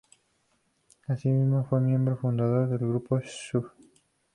Asimismo, fue miembro fundador del grupo Stuff.